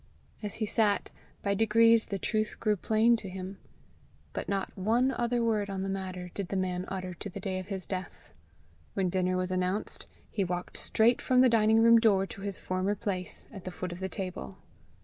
As he sat, by degrees the truth grew plain to him. But not one other word on the matter did the man utter to the day of his death. When dinner was announced, he walked straight from the dining room door to his former place at the foot of the table.